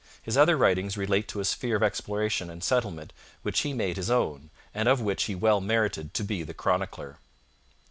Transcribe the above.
His other writings relate to a sphere of exploration and settlement which he made his own, and of which he well merited to be the chronicler.